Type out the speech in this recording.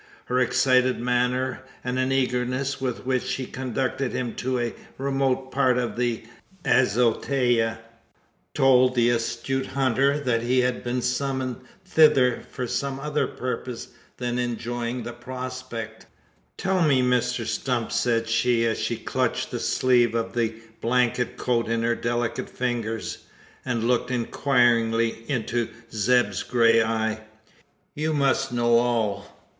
Her excited manner, and the eagerness with which she conducted him to a remote part of the azotea, told the astute hunter, that he had been summoned thither for some other purpose than enjoying the prospect. "Tell me, Mr Stump!" said she, as she clutched the sleeve of the blanket coat in her delicate fingers, and looked inquiringly into Zeb's grey eye "You must know all.